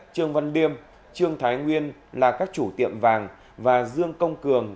trương văn điêm trương thái nguyên là các chủ tiệm vàng và dương công cường